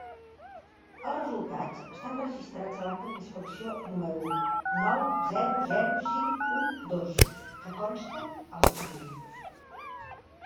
Els resultats estan registrats a l'acta d'inspecció número nou zero zero cinc un dos, que consta a l'expedient.